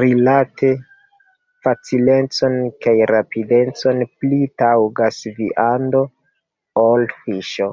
Rilate facilecon kaj rapidecon pli taŭgas viando ol fiŝo.